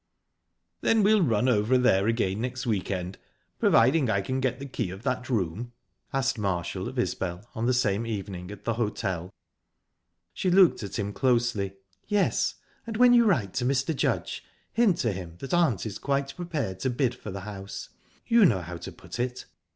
"Then we'll run over there again next week end, providing I can get the key of that room?" asked Marshall of Isbel on the same evening, at the hotel. She looked at him closely. "Yes. And when you write to Mr. Judge, hint to him that aunt is quite prepared to bid for the house. You know how to put it."